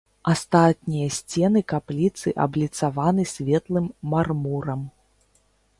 Астатнія сцены капліцы абліцаваны светлым мармурам.